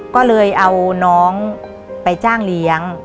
ก็เลยเอาน้องไปจ้างเลี้ยง